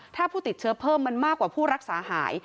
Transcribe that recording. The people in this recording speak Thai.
ถ้าผู้ติดเชื้อเพิ่มมันมากกว่าผู้รักษาหาย